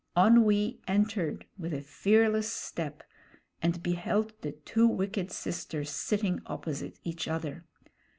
Onwee entered with a fearless step and beheld the two wicked sisters sitting opposite each other.